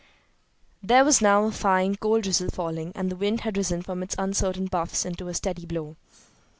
There was now a fine, cold drizzle falling, and the wind had risen from its uncertain puffs into a steady blow.